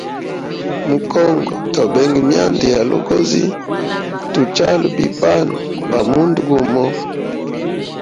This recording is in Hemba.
Mu congo to benga myanda ya lugozi tu chale bi bana ba mundu gumo.